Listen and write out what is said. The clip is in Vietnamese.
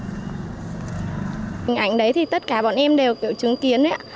hình ảnh đấy thì tất cả bọn em đều kiểu chứng kiến đấy ạ